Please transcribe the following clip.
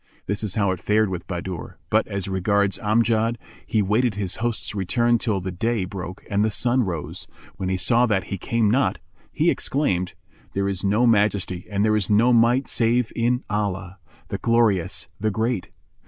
This is how it fared with Bahadur; but as regards Amjad, he awaited his host's return till the day broke and the sun rose, and when he saw that he came not, he exclaimed, "There is no Majesty and there is no Might save in Allah, the Glorious, the Great!